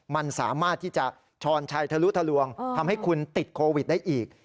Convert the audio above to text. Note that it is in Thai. มันสามารถที่จะช้อนชัยทะลุทะลวงทำให้คุณติดโควิดได้อีก